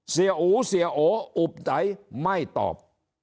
เสียอูเสียโออุบใจไม่ตอบ